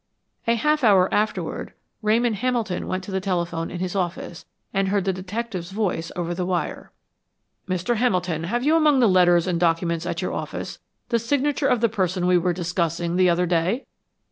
A half hour afterward, Ramon Hamilton went to the telephone in his office, and heard the detective's voice over the wire. "Mr. Hamilton, have you among the letters and documents at your office the signature of the person we were discussing the other day?"